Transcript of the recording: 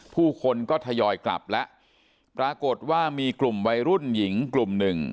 ผู้คนก็ทยอยกลับแล้วปรากฏว่ามีกลุ่มวัยรุ่นหญิงกลุ่มหนึ่ง